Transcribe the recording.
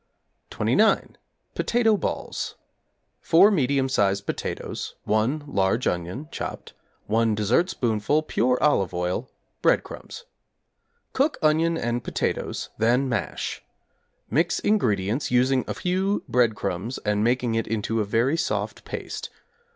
=29. Potato Balls= 4 medium sized potatoes, 1 large onion (chopped), 1 dessertspoonful pure olive oil, breadcrumbs. Cook onion and potatoes, then mash. Mix ingredients, using a few breadcrumbs and making it into a very soft paste.